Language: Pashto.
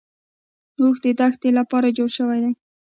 اوښ د دښتې لپاره جوړ شوی دی